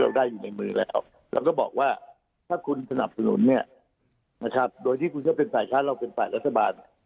เราก็บอกว่าถ้าคุณสนับสนุนเนี่ยโดยที่คุณจะเป็นศักดิ์ชาติเราเป็นศักดิ์รัฐบาล